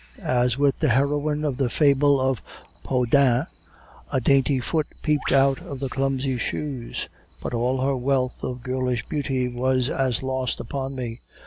As with the heroine of the fable of 'Peau d'Ane,' a dainty foot peeped out of the clumsy shoes. But all her wealth of girlish beauty was as lost upon me.